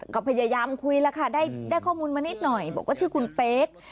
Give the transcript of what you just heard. ก็พยายามคุยแล้วค่ะได้ข้อมูลมานิดหน่อยบอกว่าชื่อคุณเป๊ก